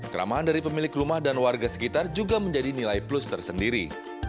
keramahan dari pemilik rumah dan warga sekitar juga menjadi nilai plus tersendiri